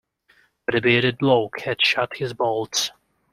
But the bearded bloke had shot his bolt.